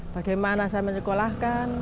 bagaimana saya menyekolahkan